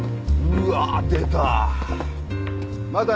うわ出た。